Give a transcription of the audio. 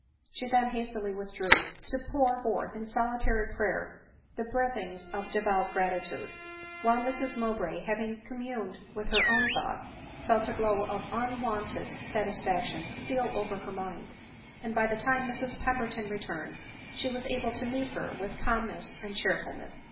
She then hastily withdrew, to pour forth in solitary prayer the breathings of devout gratitude ;— while Mrs Mowbray, having communed with her own thoughts, felt a glow of unwonted satisfaction steal over her mind ; and by the time Mrs Pemberton returned, she was able to meet her with calmness and cheerfulness.